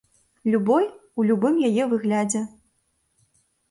Любой, у любым яе выглядзе.